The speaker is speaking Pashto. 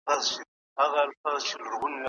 که ازاده مطالعه وي نو علمي پرمختګ شونی دی.